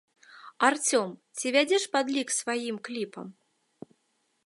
Арцём, ці вядзеш падлік сваім кліпам?